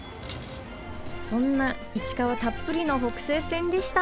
そんないちかわたっぷりの北勢線でした。